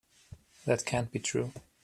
That can't be true.